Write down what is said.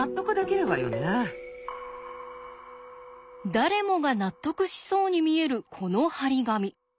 誰もが納得しそうに見えるこの貼り紙。